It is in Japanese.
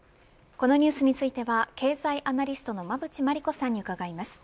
このニュースについては経済アナリストの馬渕磨理子さんに伺います。